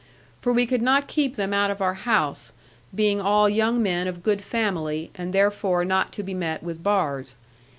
For we could not keep them out of our house, being all young men of good family, and therefore not to be met with bars.